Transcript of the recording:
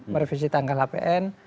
merevisi tanggal hpn